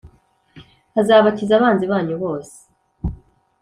Azabakiza abanzi banyu bose